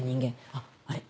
あっあれ？